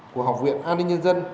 của học viện an ninh nhân dân